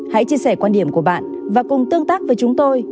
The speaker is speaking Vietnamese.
hãy chia sẻ quan điểm của bạn và cùng tương tác với chúng tôi